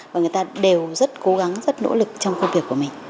và người ta đều rất cố gắng rất nỗ lực trong công việc của mình